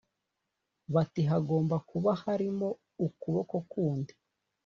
bati hagomba kuba harimo ukuboko kundi